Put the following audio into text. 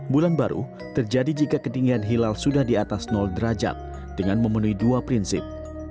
bulan baru terjadi jika ketinggian hilal sudah di atas derajat dengan memenuhi dua prinsip